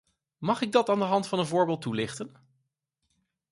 Mag ik dat aan de hand van een voorbeeld toelichten?